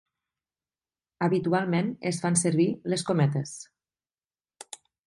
Habitualment es fan servir les cometes.